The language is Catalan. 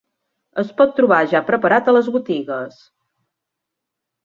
Es pot trobar ja preparat a les botigues.